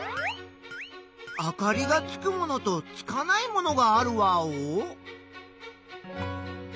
あかりがつくものとつかないものがあるワオ？